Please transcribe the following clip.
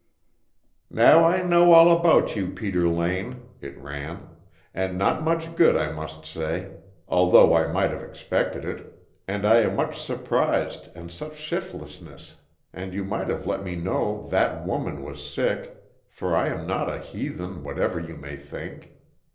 "Now I know all about you, Peter Lane," it ran, "and not much good I must say, although I might have expected it, and I am much surprised and such shiftlessness and you might have let me know that woman was sick for I am not a heathen whatever you may think.